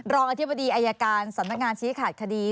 อธิบดีอายการสำนักงานชี้ขาดคดี